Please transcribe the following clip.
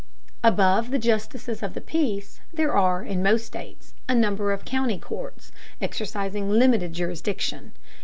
Above the justices of the peace there are, in most states, a number of county courts, exercising limited jurisdiction.